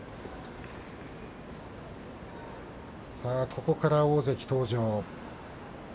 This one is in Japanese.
ここから大関登場。